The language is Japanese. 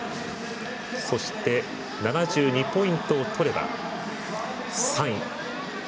そして、７２ポイントを取れば３位。